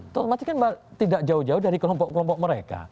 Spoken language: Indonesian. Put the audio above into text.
otomatis kan tidak jauh jauh dari kelompok kelompok mereka